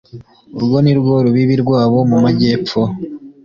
urwo ni rwo rubibi rwabo mu majyepfo